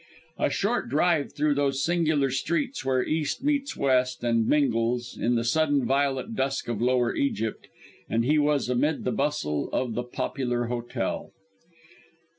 A short drive through those singular streets where East meets West and mingles, in the sudden, violet dusk of Lower Egypt, and he was amid the bustle of the popular hotel.